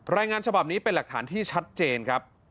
รายงานฉบับนี้เป็นหลักฐานที่ชัดเจนครับ